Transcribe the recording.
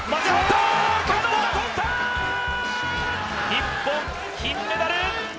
日本、金メダル！